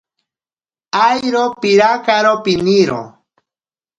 Airo pirakaro piniro.